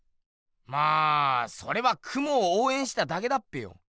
まあそれはクモをおうえんしただけだっぺよ。